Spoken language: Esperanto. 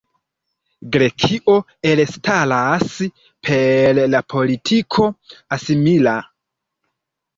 Grekio elstaras per la politiko asimila.